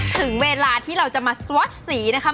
ถึงเวลาที่เราจะมาสวอตสีนะคะ